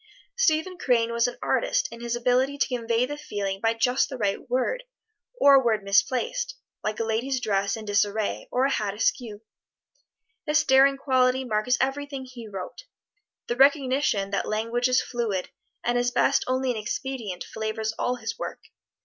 Stephen Crane was an artist in his ability to convey the feeling by just the right word, or a word misplaced, like a lady's dress in disarray, or a hat askew. This daring quality marks everything he wrote. The recognition that language is fluid, and at best only an expedient, flavors all his work.